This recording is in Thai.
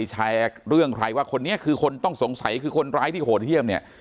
แชร์เรื่องใครว่าคนนี้คือคนต้องสงสัยคือคนร้ายที่โหดเยี่ยมเนี่ย